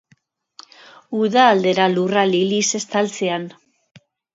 Uda aldera lurra liliz estaltzean.